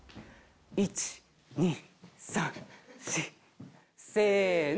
１・２・３・４！せの！